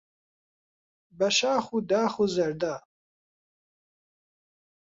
بە شاخ و داخ و زەردا